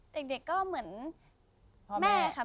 เด็กก็เหมือนแม่ค่ะแม่ดู